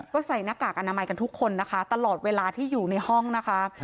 ก็ใส่หน้ากากอนามัยกันทุกคนนะคะตลอดเวลาที่อยู่ในห้องนะคะ